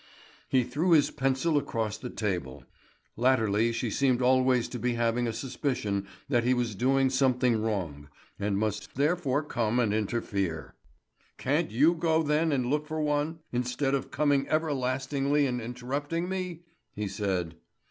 He threw his pencil across the table. Latterly she seemed always to be having a suspicion that he was doing something wrong, and must therefore come and interfere. "Can't you go then and look for one, instead of coming everlastingly and interrupting me?" he said.